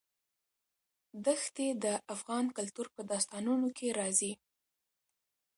دښتې د افغان کلتور په داستانونو کې راځي.